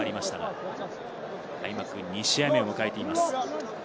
開幕２試合目を迎えています。